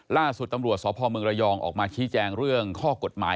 ล่าสุดตำรวจสพเมืองระยองออกมาชี้แจงเรื่องข้อกฎหมาย